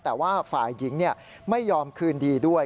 แต่ว่าฝ่ายหญิงไม่ยอมคืนดีด้วย